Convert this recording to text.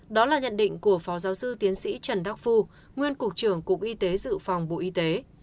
đó là nhận định của phó giáo sư tiến sĩ trần đắc phu nguyên cục trưởng cục y tế dự phòng bộ y tế